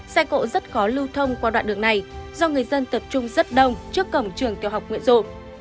xe cộ rất khó lưu thông qua đoạn đường này do người dân tập trung rất đông trước cổng trường tiểu học nguyễn du